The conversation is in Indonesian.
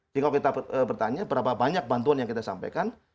jika kita bertanya berapa banyak bantuan yang kita sampaikan